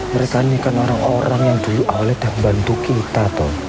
mereka nih kan orang orang yang dulu awalnya udah bantu kita